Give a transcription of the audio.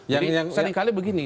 jadi seringkali begini